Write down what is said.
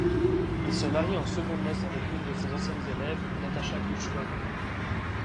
Il se marie en secondes noces avec une de ses anciennes élèves, Natacha Goutchkova.